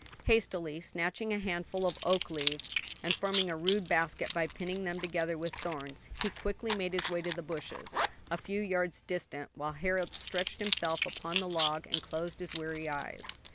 Hastily snatching a handful of oak leaves, and forming a rude basket by pinning them together with thorns, he quickly made his way to the bushes, a few yards distant, while Harold stretched himself upon the log and closed his weary eyes.